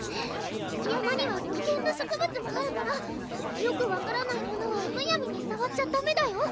山には危険な植物もあるからよく分からないものはむやみにさわっちゃダメだよ？